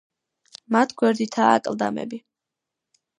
მათ გვერდითაა აკლდამები.